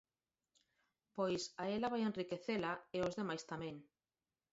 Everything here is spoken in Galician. Pois, a ela vai enriquecela e aos demais tamén.